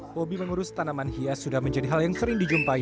hobi mengurus tanaman hias sudah menjadi hal yang sering dijumpai